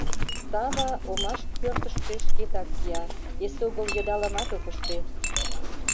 Сава омаш пӧртыштӧ шкетак кия, эсогыл йыдалымат ок ыште.